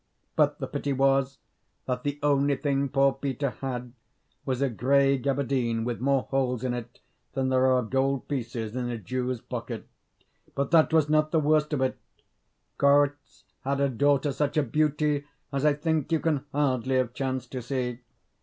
But the pity was, that the only thing poor Peter had was a grey gaberdine with more holes in it than there are gold pieces in a Jew's pocket. But that was not the worst of it. Korzh had a daughter, such a beauty as I think you can hardly have chanced to see.